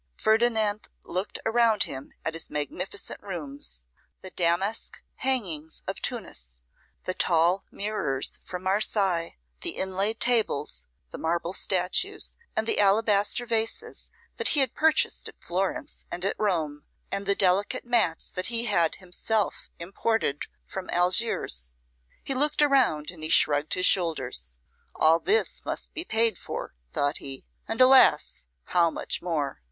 Ferdinand looked around him at his magnificent rooms; the damask hangings of Tunis, the tall mirrors from Marseilles, the inlaid tables, the marble statues, and the alabaster vases that he had purchased at Florence and at Rome, and the delicate mats that he had himself imported from Algiers. He looked around and he shrugged his shoulders: 'All this must be paid for,' thought he; 'and, alas! how much more!